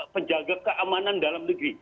penjaga keamanan dalam negeri